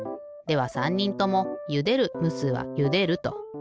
では３にんともゆでるむすはゆでると。